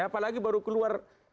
apalagi baru keluar